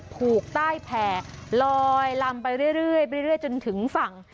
ผูกใต้แผ่ลอยลำไปเรื่อยเรื่อยไปเรื่อยเรื่อยจนถึงฝั่ง